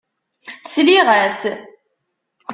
Sliɣ-as.